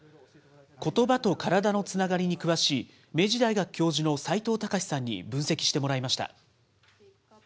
ことばと体のつながりに詳しい、明治大学教授の齋藤孝さんに分析してもらいました。